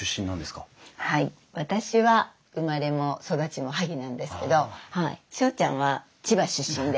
はい私は生まれも育ちも萩なんですけど省ちゃんは千葉出身です。